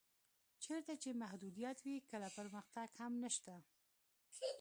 چېرته چې محدودیت وي کله پرمختګ هم نشته.